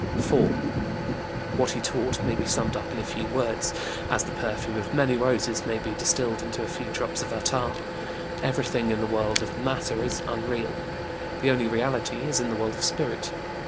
4. What he taught may be summed up in a few words, as the perfume of many roses may be distilled into a few drops of attar: Everything in the world of Matter is unreal; the only reality is in the world of Spirit.